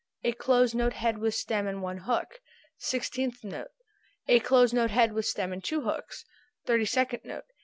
A closed note head with stem and one hook. [symbol] Sixteenth note. A closed note head with stem and two hooks. [symbol] Thirty second note.